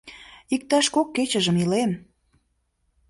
— Иктаж кок кечыжым илем.